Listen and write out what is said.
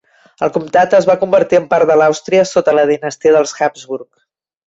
El comtat es va convertir en part de l'Àustria sota la dinastia dels Habsburg.